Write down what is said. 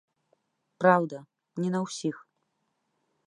Праўда, не на ўсіх.